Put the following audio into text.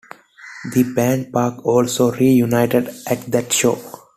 The band Park also reunited at that show.